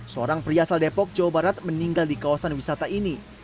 seorang pria asal depok jawa barat meninggal di kawasan wisata ini